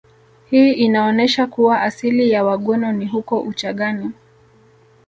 Hii inaonesha kuwa asili ya Wagweno ni huko Uchagani